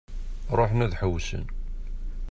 Ruḥen ad ḥewwsen.